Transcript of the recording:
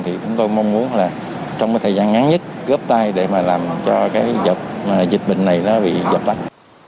thì chúng tôi mong muốn là trong cái thời gian ngắn nhất góp tay để mà làm cho cái đợt dịch bệnh này nó bị dập tắt